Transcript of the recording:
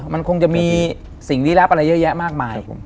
มันคงจะมีสิ่งลี้ลับอะไรเยอะแยะมากมาย